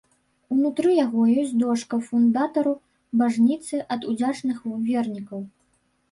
Унутры яго ёсць дошка фундатару бажніцы ад удзячных вернікаў.